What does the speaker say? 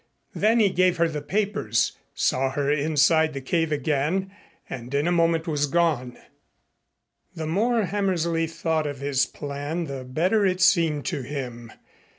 Then he gave her the papers, saw her inside the cave again and in a moment was gone. The more Hammersley thought of his plan the better it seemed to him.